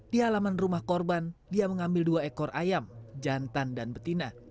di halaman rumah korban dia mengambil dua ekor ayam jantan dan betina